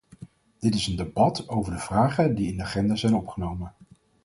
Dit is een debat over de vragen die in de agenda zijn opgenomen.